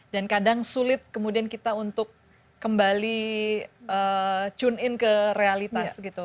dan kadang sulit kemudian kita untuk kembali tune in ke realitas gitu